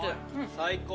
最高。